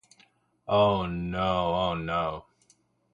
Oh No Ono